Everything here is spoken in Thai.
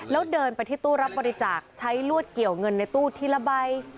แล้วเดินไปที่ตู้รับบริจาคใช้ลวดเกี่ยวเงินในตู้ทีละใบ